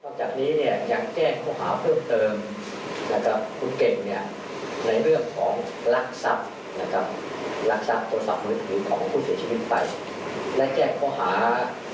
ต่อจากนี้เนี่ยยังแจ้งข้อหาเพิ่มเติม